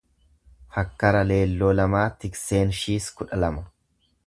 Fakkara leelloo lamaa tikseenshiis kudha lama.